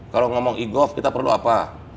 kalau ngomong e gov kita perlu apa